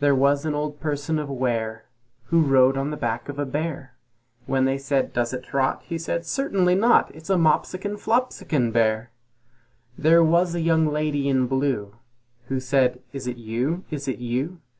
There was an old person of Ware Who rode on the back of a bear; When they said, "Does it trot?" He said, "Certainly not, It's a Moppsikon Floppsikon bear." There was a young lady in blue, Who said, "Is it you? Is it you?"